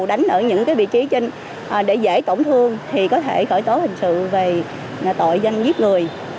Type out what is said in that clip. đánh ở những vị trí trên để dễ tổn thương thì có thể khởi tố hình sự về tội danh giết người